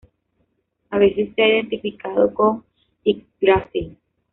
A veces se ha identificado con Yggdrasil.